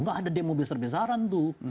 gak ada demo besar besaran tuh